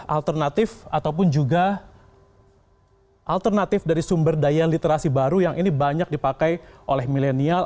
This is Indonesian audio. alternatif ataupun juga alternatif dari sumber daya literasi baru yang ini banyak dipakai oleh milenial